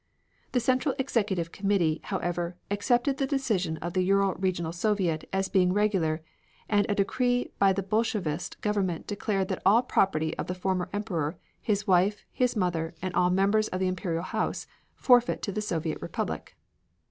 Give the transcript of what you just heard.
The Central Executive Committee, however, accepted the decision of the Ural Regional Soviet as being regular, and a decree by the Bolshevist Government declared all the property of the former Emperor, his wife, his mother and all the members of the Imperial house, forfeit to the Soviet Republic.